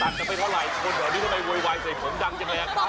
ตัดจะไม่เท่าไรตอนนี้ทำไมโวยวายใส่ผมดังจังเลยนะครับ